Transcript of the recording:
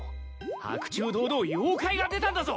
白昼堂々妖怪が出たんだぞ！